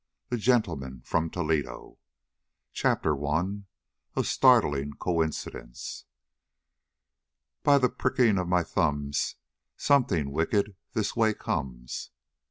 THE GENTLEMAN FROM TOLEDO. I. A STARTLING COINCIDENCE. By the pricking of my thumbs, Something wicked this way comes.